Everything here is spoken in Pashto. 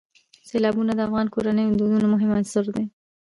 سیلابونه د افغان کورنیو د دودونو مهم عنصر دی.